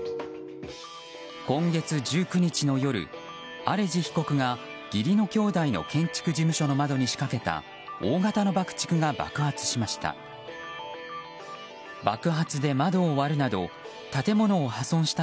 今月１９日の夜、アレジ被告が義理の兄弟の建築事務所の窓に仕掛けた大型の爆竹が爆発しました。